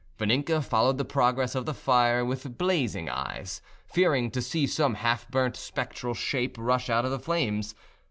Vaninka followed the progress of the fire with blazing eyes, fearing to see some half burnt spectral shape rush out of the flames.